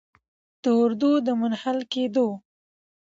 د اردو د منحل کیدو